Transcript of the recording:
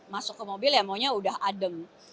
masuk ke mobil ya maunya udah adem